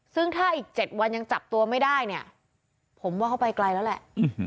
ซึ่งถ้าอีก๗วันยังจับตัวไม่ได้เนี่ยผมว่าเขาไปไกลแล้วแหละ